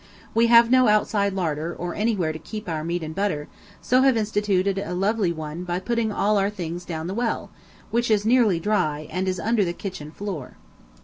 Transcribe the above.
We have no outside larder or anywhere to keep our meat and butter, so have instituted a lovely one by putting all our things down the well, which is nearly dry and is under the kitchen floor.